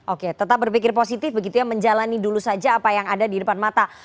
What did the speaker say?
oke tetap berpikir positif begitu ya menjalani dulu saja apa yang ada di depan mata